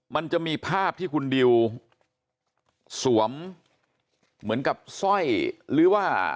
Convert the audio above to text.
มันจะมีภาพที่คุณดิวสวมเหมือนกับสร้อยหรือว่า